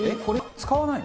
使わないの？